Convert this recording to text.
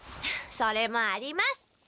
それもあります。